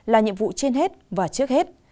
là nhiệm vụ trên hết và trước hết